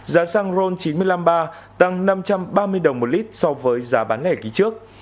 giá xăng ron chín mươi năm ba tăng năm trăm ba mươi đồng một lít so với giá bán lẻ kỳ trước